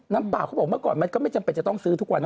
เปล่าเขาบอกเมื่อก่อนมันก็ไม่จำเป็นจะต้องซื้อทุกวันนะ